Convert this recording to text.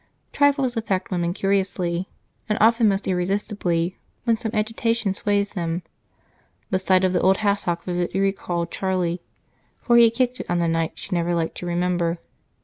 Trifles affect women curiously, and often most irresistibly when some agitation sways them. The sight of the old hassock vividly recalled Charlie, for he had kicked it on the night she never liked to remember.